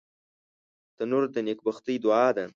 تنور د نیکبختۍ دعا ده